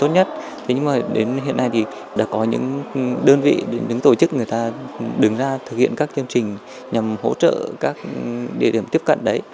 nhưng mà đến hiện nay thì đã có những đơn vị đứng tổ chức người ta đứng ra thực hiện các chương trình nhằm hỗ trợ các địa điểm tiếp cận đấy